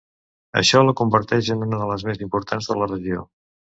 Això la converteix en una de les més importants de la regió.